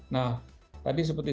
nah tadi seperti